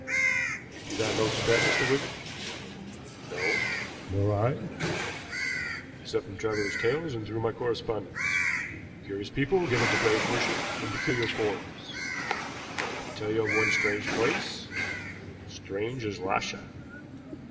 You do not know Tibet, Mr. Wigan?" "No." "Nor I, except from travelers' tales and through my correspondents. A curious people, given to fetish worship in peculiar forms. I can tell you of one strange place, strange as Lhasa.